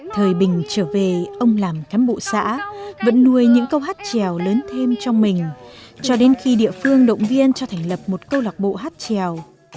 thời bình trở về ông làm cán bộ xã vẫn nuôi những câu hát trèo lớn thêm trong mình cho đến khi địa phương động viên cho thành lập một câu lạc bộ hát trèo